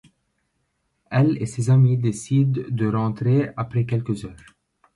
Elle et ses amis décident de rentrer après quelques heures.